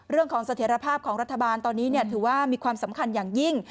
เรื่องของเสถียรภาพของรัฐบาลตอนนี้เนี่ยถือว่ามีความสำคัญอย่างยิ่ง